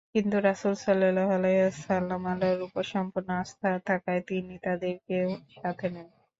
কিন্তু রাসূল সাল্লাল্লাহু আলাইহি ওয়াসাল্লাম আল্লাহর উপর সম্পূর্ণ আস্থা থাকায় তিনি তাদেরকেও সাথে নেন।